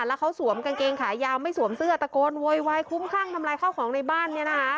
แล้วเขาสวมกางเกงขายาวไม่สวมเสื้อตะโกนโวยวายคุ้มข้างทำลายข้าวของในบ้าน